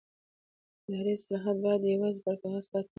اداري اصلاحات باید یوازې پر کاغذ پاتې نه شي